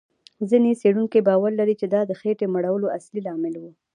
ځینې څېړونکي باور لري، چې دا د خېټې مړولو اصلي لامل و.